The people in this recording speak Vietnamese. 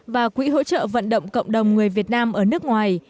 và quỹ hỗ trợ vận động cộng đồng người việt nam ở nước ngoài